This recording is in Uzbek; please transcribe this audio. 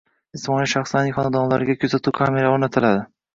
Jismoniy shaxslarning xonadonlariga kuzatuv kameralari oʻrnatiladi